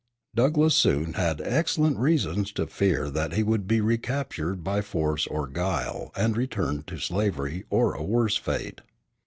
Douglass soon had excellent reasons to fear that he would be recaptured by force or guile and returned to slavery or a worse fate.